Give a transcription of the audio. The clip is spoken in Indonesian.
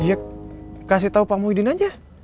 iya kasih tau pak muhidin aja